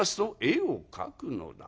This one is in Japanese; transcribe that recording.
「絵を描くのだ」。